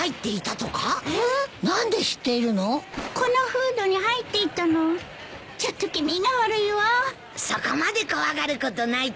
そこまで怖がることないと思うけど。